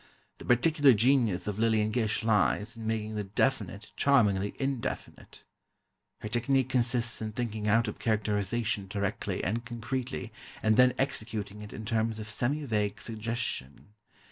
The particular genius of Lillian Gish lies in making the definite charmingly indefinite. Her technique consists in thinking out a characterization directly and concretely and then executing it in terms of semi vague suggestion....